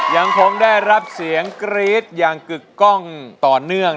ยังผมได้รับเสียงฟะอย่างต่อเนื่อง